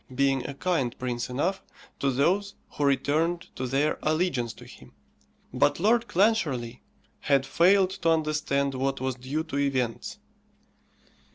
being a kind prince enough to those who returned to their allegiance to him; but Lord Clancharlie had failed to understand what was due to events.